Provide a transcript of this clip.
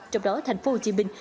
trong đó thành phố hồ chí minh